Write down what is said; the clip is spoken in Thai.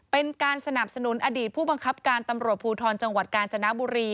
เป็นการสนับสนุนอดีตผู้บังคับการตำรวจภูทรจังหวัดกาญจนบุรี